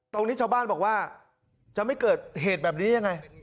ตรงนี้ชาวบ้านบอกว่าจะไม่เกิดเหตุแบบนี้ยังไง